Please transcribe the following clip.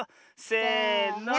せの。